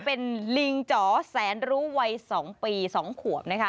เป็นลิงจ๋อแสนนรุวัย๒ปี๒ขวบ